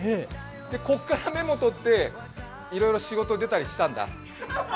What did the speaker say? こっからメモ取って、いろいろ仕事に出たりしたんだ。